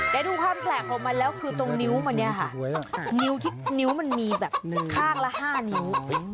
ได้ดูความแปลกของมันแล้วคือตรงนิ้วมันเนี่ยค่ะนิ้วที่นิ้วมันมีแบบข้างละ๕นิ้ว